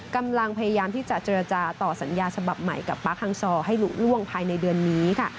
กำลังพยายามที่จะเจรจาต่อสัญญาฉบับใหม่กับป๊าฮังซอให้ลุล่วงภายในเดือนนี้ค่ะ